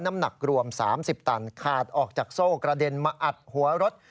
น้ำหนักรวม๓๐ตันขาดออกจากโซ่กระเด็นมาอัดหัวรถ